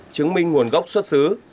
chứng minh nguồn gốc xuất xứ